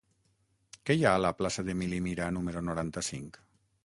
Què hi ha a la plaça d'Emili Mira número noranta-cinc?